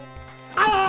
ああ。